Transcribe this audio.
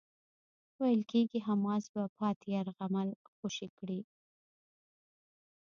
ویل کېږی حماس به پاتې يرغمل خوشي کړي.